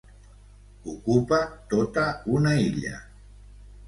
Ocupa tota una illa.